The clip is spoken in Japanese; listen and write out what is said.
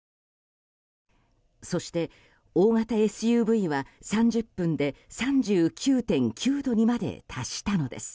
そして、大型ＳＵＶは３０分で３９．９度にまで達したのです。